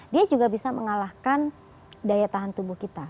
dia juga bisa mengalahkan daya tahan tubuh kita